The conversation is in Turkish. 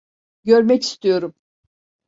Görmek istiyorum.